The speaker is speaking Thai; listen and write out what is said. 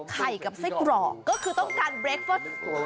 กับไส้กรอกก็คือต้องการเรคเฟิร์ส